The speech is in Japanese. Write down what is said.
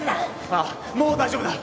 ああもう大丈夫だ。